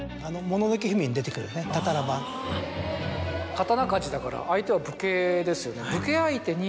刀鍛冶だから相手は武家ですよね。